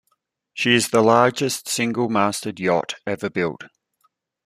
She is the largest single-masted yacht ever built.